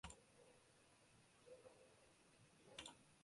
La obra se divide en cinco "autos" y varias "cenas".